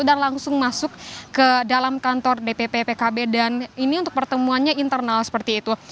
dan langsung masuk ke dalam kantor dpp pkb dan ini untuk pertemuannya internal seperti itu